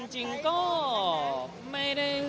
จริงก็ไม่ได้